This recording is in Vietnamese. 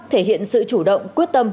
thể hiện sự chủ động quyết tâm